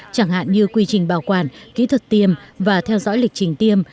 chẳng hạn như quy trình bảo quản kỹ thuật tiêm và theo dõi lịch trình tiêm